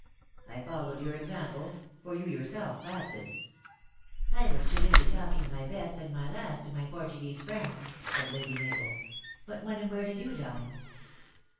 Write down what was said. " I followed your example ; for you yourself fasted." " I was too busy talking my best and my last to my Portuguese friends," said Lady Mabel. " But when and where did you dine